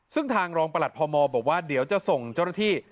ซึ่งทางรองประหลัดพมบอกว่าเดี๋ยวจะส่งเจ้าหน้าที่